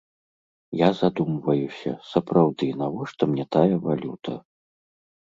Я задумваюся, сапраўды, навошта мне тая валюта?